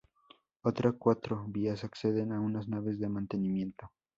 Otra cuatro vías acceden a unas naves de mantenimiento.